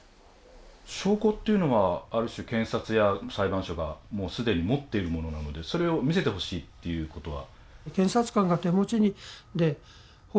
証拠っていうのはある種検察や裁判所がもうすでに持っているものなのでそれを見せてほしいっていうことは？